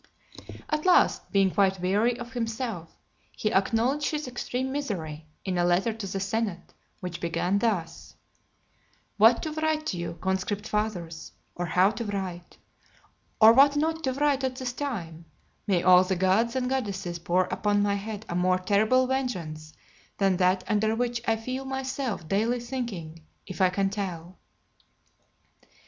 LXVII. At last, being quite weary of himself, he acknowledged his extreme misery, in a letter to the senate, which begun thus: "What to write to you, Conscript Fathers, or how to write, or what not to write at this time, may all the gods and goddesses pour upon my head a more terrible vengeance than that under which I feel myself daily sinking, if I can tell."